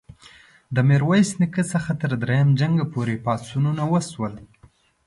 د میرویس نیکه څخه تر دریم جنګ پوري پاڅونونه وشول.